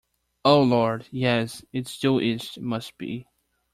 Oh, Lord, yes, it's due east — must be!